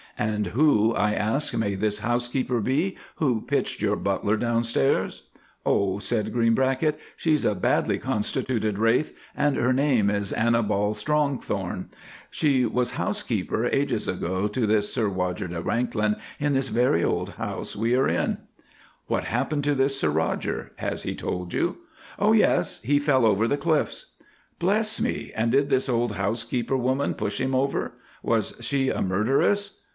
"And who," I asked, "may this housekeeper be who pitched your butler down stairs?" "Oh," said Greenbracket, "she's a badly constituted wraith, and her name is Annibal Strongthorn. She was housekeeper ages ago to this Sir Roger de Wanklyn in this very old house we are in." "What happened to this Sir Roger? Has he told you?" "Oh! yes he fell over the cliffs." "Bless me, and did this old housekeeper woman push him over. Was she a murderess?"